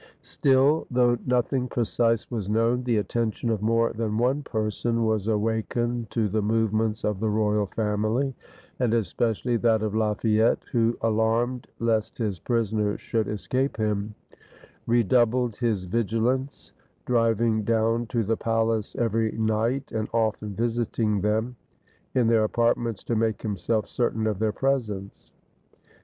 Still, though nothing precise was known, the attention of more than one person was awak ened to the movements of the royal family, and espe cially that of Lafayette, who, alarmed lest his pris oners should escape him, redoubled his vigilance, driving down to the palace every night, and often visiting them in their apartments to make himself certain of their presence.